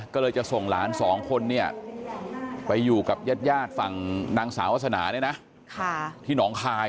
ก็เลยจะส่งหลาน๒คนไปอยู่กับญาติฝั่งนางสาวาสนาที่หนองคาย